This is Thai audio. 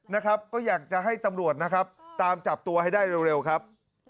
นะครับก็อยากจะให้ตำรวจนะครับตามจับตัวให้ได้เร็วครับ